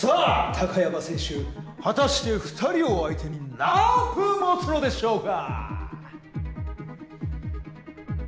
貴山選手果たして２人を相手に何分もつのでしょうか！